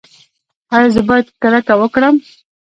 ایا زه باید کرکه وکړم؟